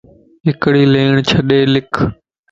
ھڪڙي ليڻ ڇڏي لکَ